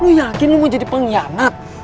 lu yakin lu mau jadi pengianat